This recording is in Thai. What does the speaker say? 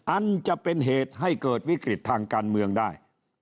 อันจะเป็นเหตุให้เกิดวิกฤตทางการเมืองได้